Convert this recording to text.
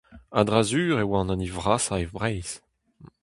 A-dra-sur e oa an hini vrasañ e Breizh !